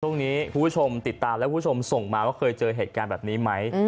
ช่วงนี้ผู้ชมติดตามและผู้ชมส่งมาว่าเคยเจอเหตุการณ์แบบนี้ไหม